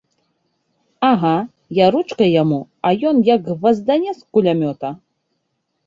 Ага, я ручкай яму, а ён як гваздане з кулямёта!